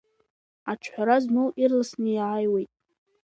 Аҿҳәара змоу ирласны иааиуеит.